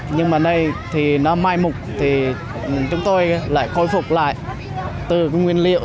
nhưng mà đây thì nó mai mục thì chúng tôi lại khôi phục lại từ cái nguyên liệu